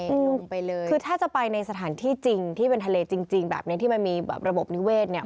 ลงไปเลยคือถ้าจะไปในสถานที่จริงที่เป็นทะเลจริงจริงแบบเนี้ยที่มันมีแบบระบบนิเวศเนี่ย